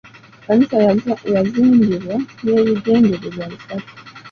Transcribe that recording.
Ekkanisa yazimbibwa n'ebigendererwa bisatu.